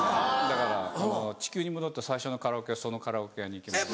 だから地球に戻って最初のカラオケはそのカラオケ屋に行きます。